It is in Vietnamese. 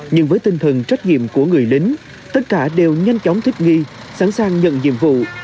nhưng với tinh thần trách nhiệm của người lính tất cả đều nhanh chóng thích nghi sẵn sàng nhận nhiệm vụ